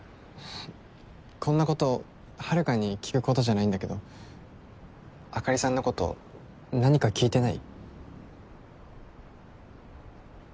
こんなこと遥に聞くことじゃないんだけどあかりさんのこと何か聞いてない？